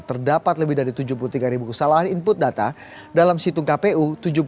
terdapat lebih dari tujuh puluh tiga kesalahan input data dalam situng kpu